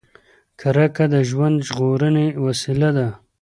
کرکه د ژوند ژغورنې وسیله ده.